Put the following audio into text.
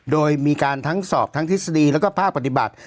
โดยมีการทั้งสอบทั้งทฤษฎีแล้วก็ภาคปฏิบัติ